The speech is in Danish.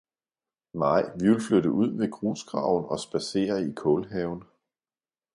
nej, vi vil flytte ud ved grusgraven og spadsere i kålhaven!